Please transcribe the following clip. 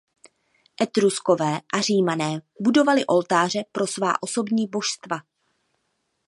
Etruskové a Římané budovali oltáře pro svá osobní božstva.